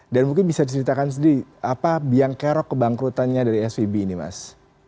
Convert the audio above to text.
dan mungkin bisa diseritakan sendiri apa yang kerok kebangkrutannya dari svb ini mas